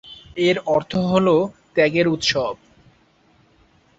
এর অর্থ হলো ‘ত্যাগের উৎসব’।